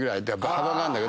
幅があんだけど。